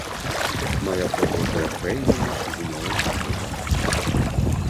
Мая прыгожая фрэйліна зноў ажыла.